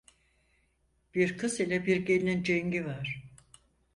Bir kız ile bir gelinin cengi var.